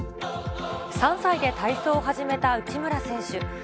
３歳で体操を始めた内村選手。